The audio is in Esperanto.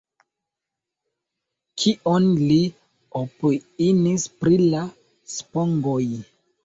Kion li opiniis pri la spongoj?